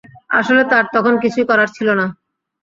আসলে, তার তখন কিছুই করার ছিল না।